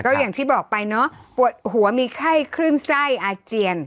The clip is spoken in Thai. ก็อย่างที่บอกไปเนอะปวดหัวมีไข้คลื่นไส้อาเจียน